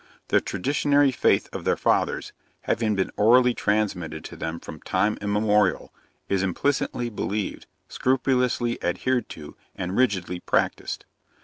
The traditionary faith of their fathers, having been orally transmitted to them from time immemorial, is implicitly believed, scrupulously adhered to, and rigidly practised.